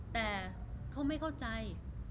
แต่เขาไม่เข้าใจ